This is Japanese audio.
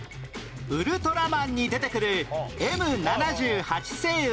『ウルトラマン』に出てくる Ｍ７８ 星雲